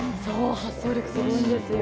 発想力すごいんですよ。